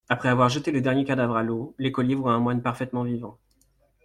Après avoir jeté le dernier cadavre à l'eau, l'écolier voit un moine parfaitement vivant.